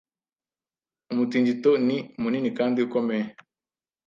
umutingito ni munini kandi ukomeye